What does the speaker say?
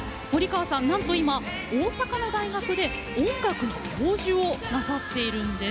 なんと今大阪の大学で音楽の教授をなさっているんです。